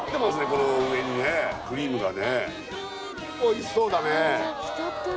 この上にねクリームがねおいしそうだね